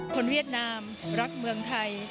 เวียดนามรักเมืองไทย